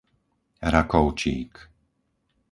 Rakovčík